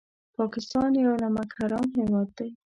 پاکستان یو نمک حرام هېواد دی